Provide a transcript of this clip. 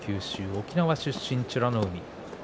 沖縄出身の美ノ海